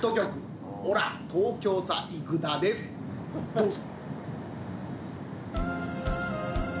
どうぞ！